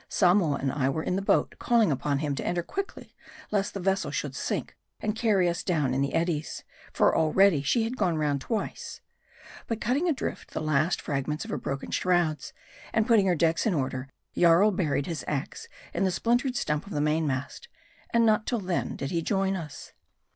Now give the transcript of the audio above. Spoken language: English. Samoa and I were in the boat, calling upon him to enter quickly, lest the vessel should sink, and carry us down in the eddies ; for already she had gone round twice. But cutting adrift the last frag ments of her broken shrouds, and putting her decks in order, Jaii buried his ax in the splintered stump of the mainmast, and not till then did he join us.